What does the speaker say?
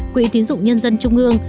quỹ tiến dụng nhân dân trung ương